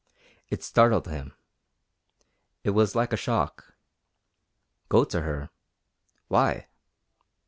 It startled him. It was like a shock. Go to her? Why?